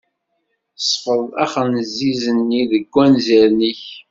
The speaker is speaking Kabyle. Sfeḍ axenziz-nni deg anzaren-ik.